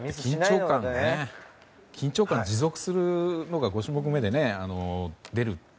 緊張感、持続するのが５種目めで出る。